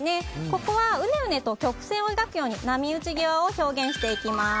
ここはうねうねと曲線を描くように波打ち際を表現していきます。